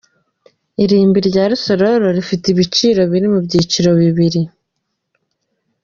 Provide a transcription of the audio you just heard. Irimbi rya busanza rifite ibiciro biri mu byiciro bibiri.